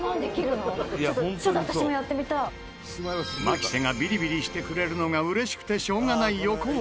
牧瀬がビリビリしてくれるのが嬉しくてしょうがない横尾。